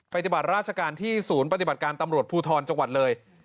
ปฏิบัติราชการที่ศูนย์ปฏิบัติการตำรวจภูทรจังหวัดเลย